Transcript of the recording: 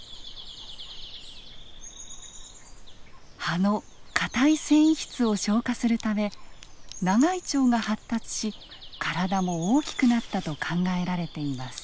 葉の硬い繊維質を消化するため長い腸が発達し体も大きくなったと考えられています。